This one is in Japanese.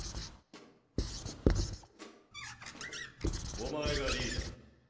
お前がリーダーだな。